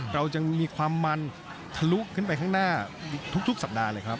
เรายังมีความมันทะลุขึ้นไปข้างหน้าทุกสัปดาห์เลยครับ